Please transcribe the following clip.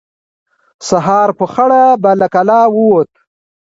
سهار په خړه به له کلا ووت.